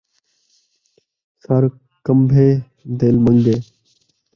سر کمبھے ، دل من٘گے